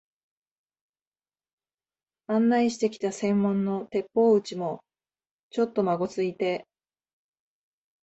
案内してきた専門の鉄砲打ちも、ちょっとまごついて、